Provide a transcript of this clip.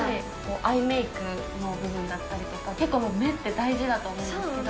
アイメークの部分だったりとか、結構目って大事だと思うんですけど。